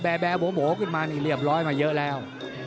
แบบแบบโหมโหมขึ้นมานี่เรียบร้อยมาเยอะแล้ว